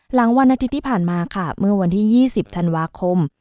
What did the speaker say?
วันอาทิตย์ที่ผ่านมาค่ะเมื่อวันที่๒๐ธันวาคม